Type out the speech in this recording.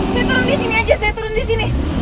saya turun disini aja saya turun disini